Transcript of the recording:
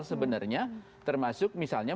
sebenarnya termasuk misalnya